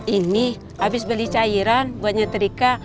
ini habis beli cairan buat nyetrika